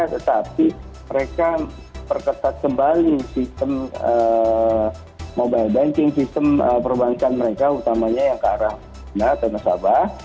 tetapi mereka perketat kembali sistem mobile banking sistem perbankan mereka utamanya yang ke arah china atau nasabah